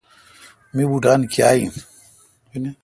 می بوٹان کاں این۔